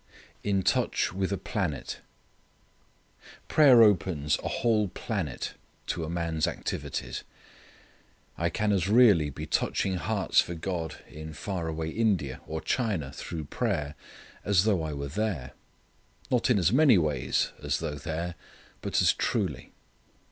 In touch with a planet. Prayer opens a whole planet to a man's activities. I can as really be touching hearts for God in far away India or China through prayer, as though I were there. Not in as many ways as though there, but as truly.